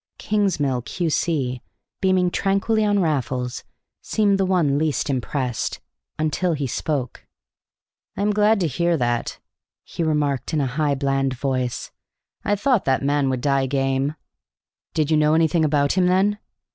Kingsmill, Q.C., beaming tranquilly on Raffles, seemed the one least impressed, until he spoke. "I am glad to hear that," he remarked in a high bland voice. "I thought that man would die game." "Did you know anything about him, then?"